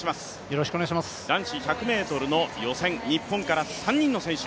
男子１００ｍの予選、日本から３人の選手